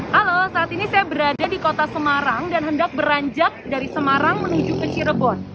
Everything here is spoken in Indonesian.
halo saat ini saya berada di kota semarang dan hendak beranjak dari semarang menuju ke cirebon